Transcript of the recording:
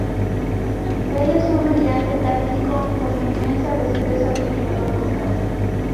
Él es un brillante táctico con inmensa destreza tecnológica.